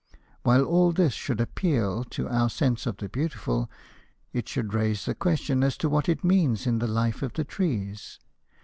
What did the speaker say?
While all this should appeal to our sense of the beautiful, it should raise the question as to what it means in the life of the trees.